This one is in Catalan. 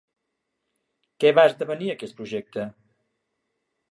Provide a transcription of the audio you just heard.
Què va esdevenir aquest projecte?